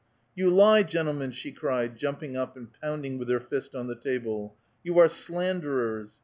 "" You lie, gentlemen !" she cried, jumping up and pounding with her fist on the table. "You are slanderers.